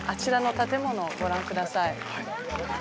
あちらの建物をご覧ください。